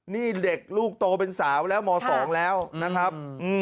นี่เด็กลูกโตเป็นสาวแล้วม๒แล้วนะครับ